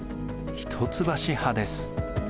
一橋派です。